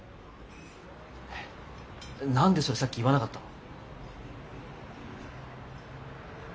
え何でそれさっき言わなかったの？